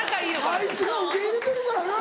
あいつが受け入れてるからな。